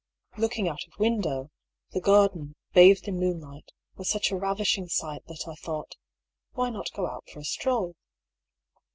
Looking out of window, the garden, bathed in moon light, was such a ravishing sight that I thought — Why not go out for a stroll